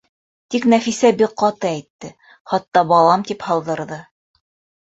Тик Нәфисә бик ҡаты әйтте, хатта «балам» тип һалдырҙы: